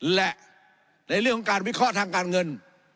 และในเรื่องของการวิเคราะห์ทางการเงิน